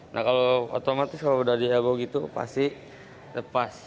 nah kalau otomatis kalau udah diheboh gitu pasti lepas